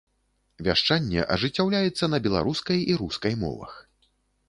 Вяшчанне ажыццяўляецца на беларускай і рускай мовах.